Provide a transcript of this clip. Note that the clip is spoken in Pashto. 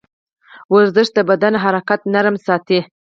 ورزش د بدن حرکات نرم ساتي.